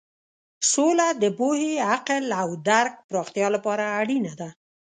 سوله د پوهې، عقل او درک پراختیا لپاره اړینه ده.